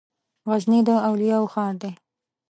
غزني د اولياوو ښار ده